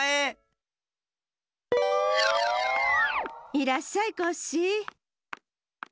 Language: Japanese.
いらっしゃいコッシー。